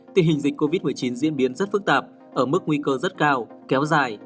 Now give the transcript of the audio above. tình hình dịch covid một mươi chín diễn biến rất phức tạp ở mức nguy cơ rất cao kéo dài